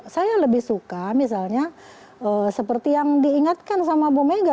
saya lebih suka misalnya seperti yang diingatkan sama bu mega